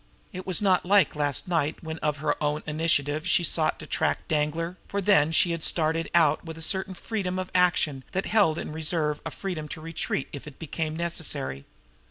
It was not like last night when of her own initiative she had sought to track Danglar, for then she had started out with a certain freedom of action that held in reserve a freedom to retreat if it became necessary.